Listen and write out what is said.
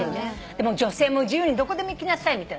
でも女性も自由にどこでも行きなさいみたいな。